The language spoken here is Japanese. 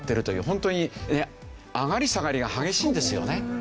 ホントに上がり下がりが激しいんですよね。